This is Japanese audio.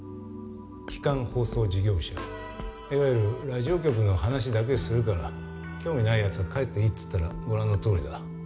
基幹放送事業者いわゆるラジオ局の話だけするから興味ない奴は帰っていいっつったらご覧のとおりだ。